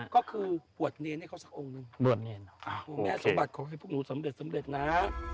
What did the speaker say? ก็คือปวดเนียนให้เขาสักองค์แม่สมบัติก็ให้พวกหนูสำเร็จสำเร็จนะ